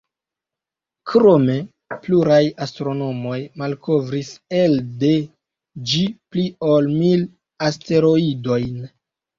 Krome, pluraj astronomoj malkovris elde ĝi pli ol mil asteroidojn.